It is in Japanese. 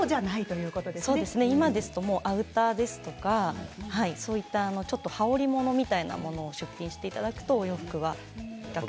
そうですね、今ですとアウターですとかちょっと羽織り物みたいなものを出品していただくとお洋服は比較的。